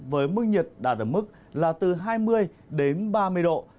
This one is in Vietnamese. với mức nhiệt đạt ở mức là từ hai mươi đến ba mươi độ